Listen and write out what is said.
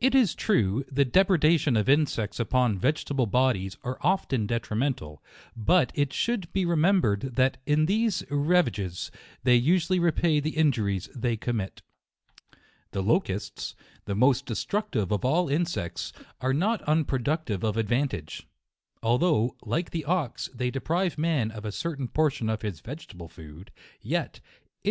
It is true, the depredation of insects upon vegetable bodies are often detrimental ; but it should be remembered that in these rava ges, they usually repay the injuries they commit. The locusts, the most destructive of all in sects, are not unproductive of advantage. Al though, like the ox, they deprive man of a certain portion of his vegetable food, yet, in JUXL.